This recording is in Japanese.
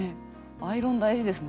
アイロン大事ですね。